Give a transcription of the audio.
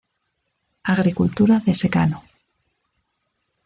Agricultura de secano.